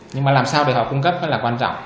nhưng mà làm sao để họ cung cấp rất là quan trọng